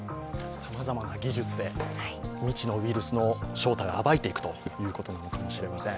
さまざまな技術で未知のウイルスの正体を暴いていくということなのかもしれません。